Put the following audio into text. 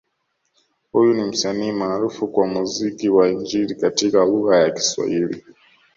Huyu ni msanii maarufu wa muziki wa Injili katika lugha ya swahili